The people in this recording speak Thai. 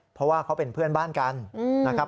เพราะว่าเขาเป็นเพื่อนบ้านกันนะครับ